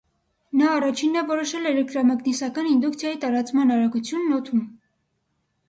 Նա առաջինն է որոշել էլեկտրամագնիսական ինդուկցիայի տարածման արագությունն օդում։